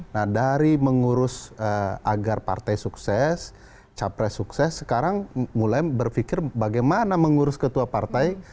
nah dari mengurus agar partai sukses capres sukses sekarang mulai berpikir bagaimana mengurus ketua partai